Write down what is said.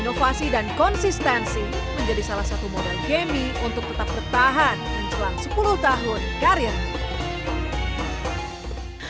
inovasi dan konsistensi menjadi salah satu modal jamie untuk tetap bertahan menjelang sepuluh tahun karir